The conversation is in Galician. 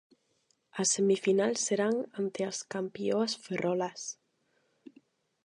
A semifinal serán ante as campioas ferrolás.